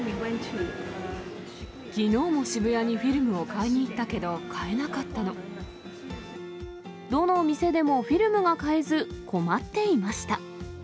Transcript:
きのうも渋谷にフィルムを買どの店でもフィルムが買えず、困っていました。